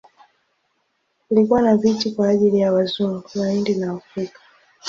Kulikuwa na viti kwa ajili ya Wazungu, Wahindi na Waafrika.